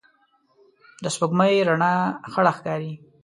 د سپوږمۍ رڼا خړه ښکاري